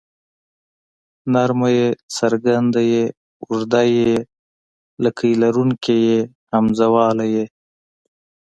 نرمه ی څرګنده ي اوږده ې لکۍ لرونکې ۍ همزه واله ئ